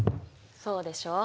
そうでしょう。